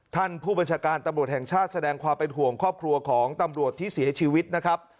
ท่านผู้บัญชาการตำรวจแห่งชาติแสดงความเป็นห่วงครอบครัวของตำรวจที่เสียชีวิตนะครับ